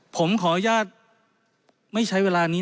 ผมขออนุญาตไม่ใช้เวลานี้